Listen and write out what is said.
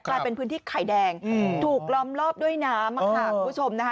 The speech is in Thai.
กลายเป็นพื้นที่ไข่แดงถูกล้อมรอบด้วยน้ำค่ะคุณผู้ชมนะคะ